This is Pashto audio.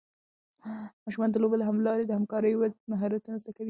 ماشومان د لوبو له لارې د همکارۍ مهارتونه زده کوي.